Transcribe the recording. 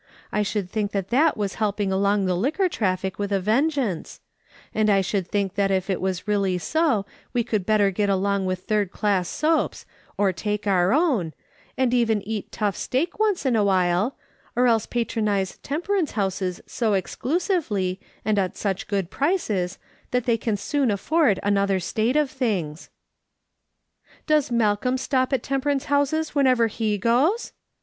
I should think that that was help ing along the liquor traffic with a vengeance ; and I should think that if it is really so we would better get along with third class soaps, or take our own, and even eat tough steak once in a while, or else patron ise temperance houses so exclusively, and at such good prices, that they can soon afford another state of things." " Does Malcolm stop at temperance houses wherever he goes